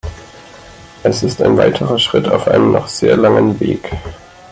Es ist ein weiterer Schritt auf einem noch sehr langen Weg.